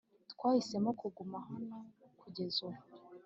twahisemo kuguma hano kugeza ubu.